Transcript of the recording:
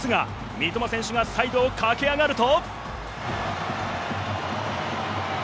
三笘選手がサイドを駆け上がると。